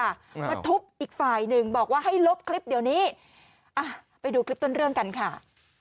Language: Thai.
มาทุบอีกฝ่ายหนึ่งบอกว่าให้ลบคลิปเดี๋ยวนี้อ่ะไปดูคลิปต้นเรื่องกันค่ะ